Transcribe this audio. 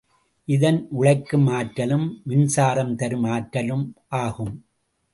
இதன் உழைக்கும் ஆற்றலும் மின்சாரம் தரும் ஆற்றலும் ஆகும்.